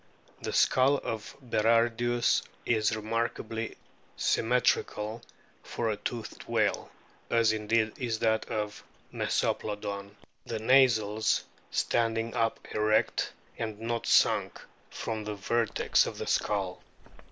The skull of Berardius is remarkably symmetrical for a toothed whale, as indeed is that of Mesoplodon, the nasals standing up erect, and not sunk from the vertex of the skull.